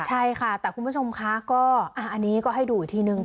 ใช่ค่ะแต่คุณผู้ชมคะก็อันนี้ก็ให้ดูอีกทีนึง